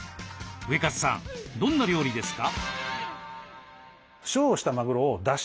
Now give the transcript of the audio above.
ウエカツさんどんな料理ですか？